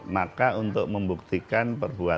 maka untuk membuktikan perbuatan